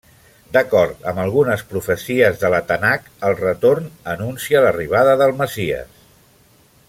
D'acord amb algunes profecies de la Tanakh, el retorn anuncia l'arribada del messies.